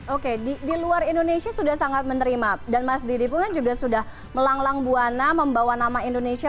oke di luar indonesia sudah sangat menerima dan mas didi pun juga sudah melanglang buana membawa nama indonesia